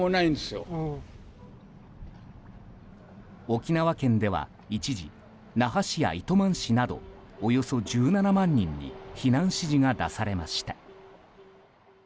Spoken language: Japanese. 沖縄県では一時那覇市や糸満市などおよそ１７万人に避難指示が出されました。